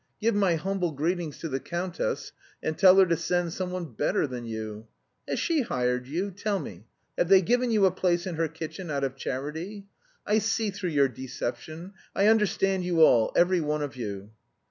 Give my humble greetings to the countess and tell her to send someone better than you. Has she hired you, tell me? Have they given you a place in her kitchen out of charity? I see through your deception. I understand you all, every one of you."